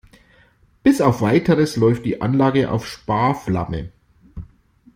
Bis auf Weiteres läuft die Anlage auf Sparflamme.